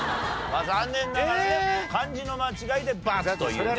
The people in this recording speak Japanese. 残念ながらね漢字の間違いでバツというね。